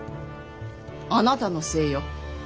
あなたのせいよ。